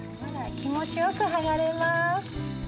ほら気持ちよく剥がれます。